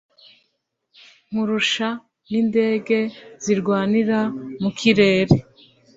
Nkurusha n'indege zirwnira mu kirere